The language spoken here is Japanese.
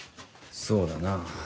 そうだな。